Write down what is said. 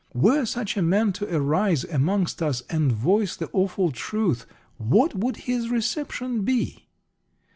Were such a man to arise amongst us and voice the awful truth, what would his reception be?